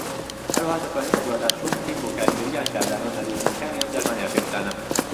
هەروەها دەتوانین بەدواداچوون بکەین بۆ کاریگەریی یان کاردانەوە نەرێنیەکانی ئەم دەرمان یان پێکوتانە.